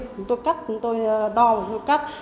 chúng tôi cắt chúng tôi đo và chúng tôi cắt